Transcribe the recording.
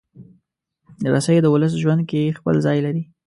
رسۍ د ولس ژوند کې خپل ځای لري.